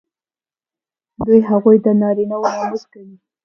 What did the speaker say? دوی هغوی د نارینه وو ناموس ګڼي.